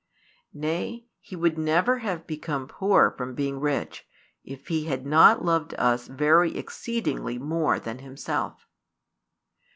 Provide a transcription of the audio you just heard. Nay, He would never have become poor from being rich, if He had not loved us very exceedingly more than Himself.